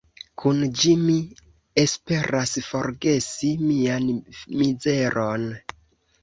Kun ĝi mi esperas forgesi mian mizeron.